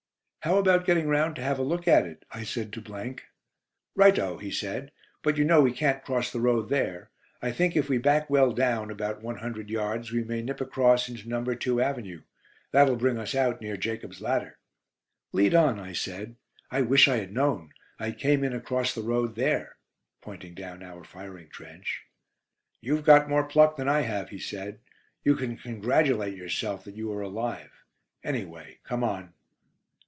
"How about getting round to have a look at it?" I said to . "Right o," he said; "but you know we can't cross the road there. I think if we back well down, about one hundred yards, we may nip across into No. 2 Avenue. That'll bring us out near 'Jacob's Ladder.'" "Lead on," I said. "I wish I had known. I came in across the road there," pointing down our firing trench. "You've got more pluck than I have," he said. "You can congratulate yourself that you are alive. Anyway, come on."